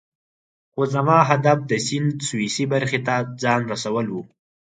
خو زما هدف د سیند سویسی برخې ته ځان رسول وو.